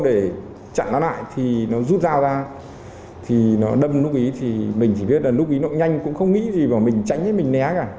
để chặn nó lại thì nó rút dao ra thì nó đâm nút bí thì mình chỉ biết là nút bí nó nhanh cũng không nghĩ gì vào mình tránh hết mình né cả